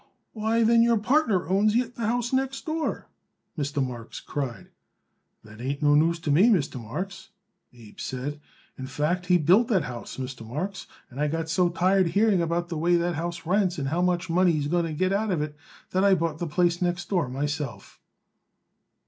"Why, then, your partner owns yet the house next door!" Mr. Marks cried. "That ain't no news to me, Mr. Marks," Abe said. "In fact, he built that house, Mr. Marks, and I got so tired hearing about the way that house rents and how much money he is going to get out of it that I bought the place next door myself."